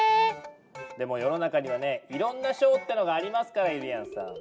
でも世の中にはねいろんな賞ってのがありますからゆりやんさん。